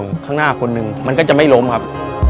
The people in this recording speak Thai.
ข้างหน้าคนหนึ่งมันก็จะไม่ล้มครับ